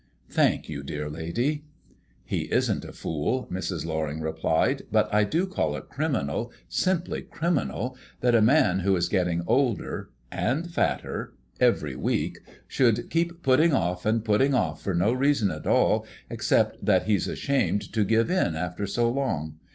Thank you, dear lady. "He isn't a fool," Mrs. Loring replied; "but I do call it criminal simply criminal that a man who is getting older and fatter every week should keep putting off and putting off for no reason at all except that he's ashamed to give in after so long.